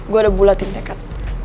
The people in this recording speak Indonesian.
gue udah bulatin tekad